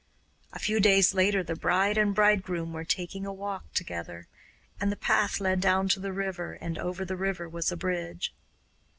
A few days later the bride and bridegroom were taking a walk together, and the path led down to the river, and over the river was a bridge.